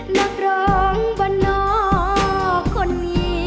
นักร้องบ้านหน้าคนนี้